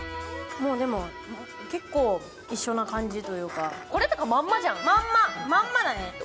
もうでも結構一緒な感じというかまんままんまだね